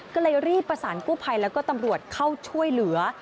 ก็เลยรีบประสานกู้ภัยแล้วก็ตำรวจเข้าช่วยเหลือ